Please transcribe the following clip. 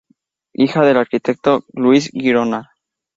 Hija del arquitecto Lluis Girona.